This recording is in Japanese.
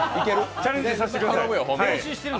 チャレンジさせてください。